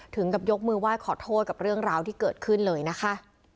ถึงกับยกมือไหว้ขอโทษกับเรื่องราวที่เกิดขึ้นเลยนะคะ